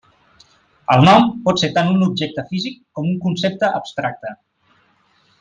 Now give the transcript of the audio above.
El nom pot ser tant un objecte físic com un concepte abstracte.